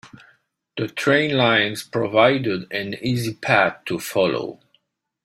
The train lines provided an easy path to follow.